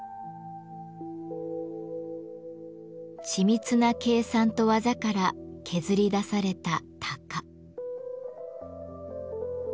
緻密な計算と技から削り出された「鷹」。